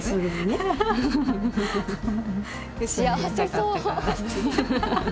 幸せそう！